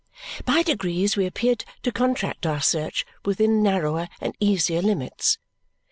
By degrees we appeared to contract our search within narrower and easier limits.